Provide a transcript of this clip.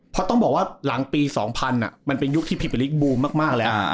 เพราะต้องบอกว่าหลังปี๒๐๐มันเป็นยุคที่พิพาลิกบูมมากแล้ว